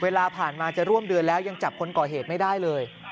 เวลาผ่านมาจะร่วมเดือนแล้วยังจับคนก่อเหตุไม่ได้เลย